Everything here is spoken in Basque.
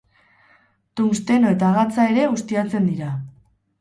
Tungsteno eta gatza ere ustiatzen dira.